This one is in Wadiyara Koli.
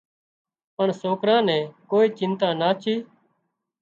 پڻ سوڪران نين ڪوئي چنتا نا ڇي